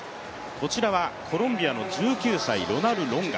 こちらはコロンビアの１９歳、ロナル・ロンガ。